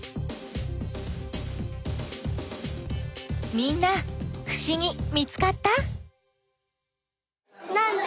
みんなふしぎ見つかった？